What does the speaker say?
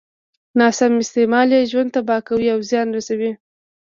ناسم استعمال يې ژوند تباه کوي او زيان رسوي.